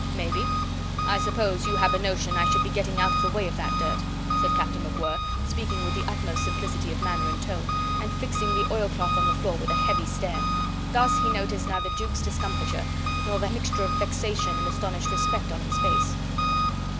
"Maybe. I suppose you have a notion I should be getting out of the way of that dirt," said Captain MacWhirr, speaking with the utmost simplicity of manner and tone, and fixing the oilcloth on the floor with a heavy stare. Thus he noticed neither Jukes' discomfiture nor the mixture of vexation and astonished respect on his face.